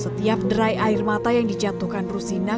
setiap derai air mata yang dijatuhkan rusina